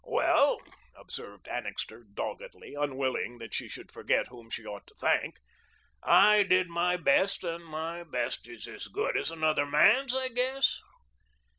"Well," observed Annixter doggedly, unwilling that she should forget whom she ought to thank, "I did my best, and my best is as good as another man's, I guess."